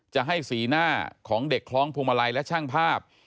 จะให้สีหน้าของเด็กคล้องพวงมาลัยและช่างภาพ